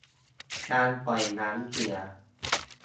การปล่อยน้ำเสีย